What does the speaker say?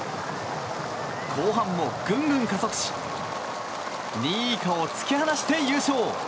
後半もグングン加速し２位以下を突き放して優勝。